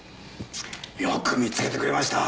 よく見つけてくれました。